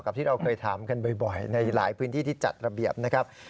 ที่เราเคยถามกันบ่อยในหลายพื้นที่ที่จัดระเบียบนะครับ